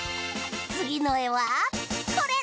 つぎのえはこれ！